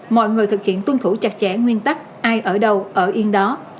mọi người thực hiện tuân thủ chặt chẽ nguyên tắc ai ở đâu ở yên đó